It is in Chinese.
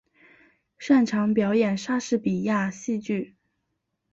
擅长表演莎士比亚戏剧。